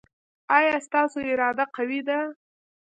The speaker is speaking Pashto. ایا ستاسو اراده قوي ده؟